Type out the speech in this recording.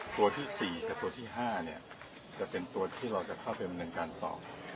ตัวที่สี่กับตัวที่ห้าเนี่ยจะเป็นตัวที่เราจะเข้าไปบรรณการต่อ